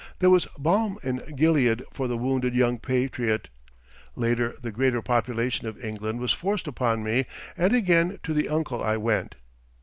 There was balm in Gilead for the wounded young patriot. Later the greater population of England was forced upon me, and again to the uncle I went.